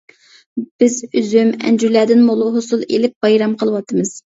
بىز ئۈزۈم، ئەنجۈرلەردىن مول ھوسۇل ئېلىپ، بايرام قىلىۋاتىمىز.